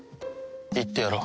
行ってやろう。